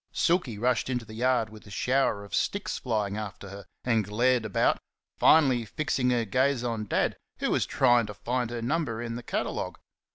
Silky rushed into the yard with a shower of sticks flying after her and glared about, finally fixing her gaze on Dad, who was trying to find her number in the catalogue.